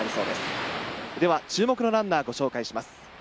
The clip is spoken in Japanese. では注目のランナーをご紹介します。